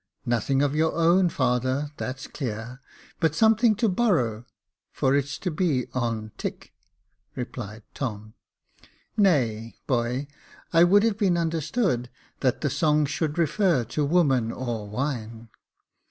" Nothing of your own, father, that's clear ; but some thing to borrow, for it's to be on tick" replied Tom. J.F. Q 242 Jacob Faithful " Nay, boy, I would have been understood that the song should refer to woman or wine."